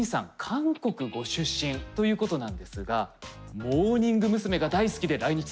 韓国ご出身ということなんですがモーニング娘。が大好きで来日されたそうですね。